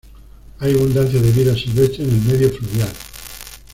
Hay abundancia de vida silvestre en el medio fluvial.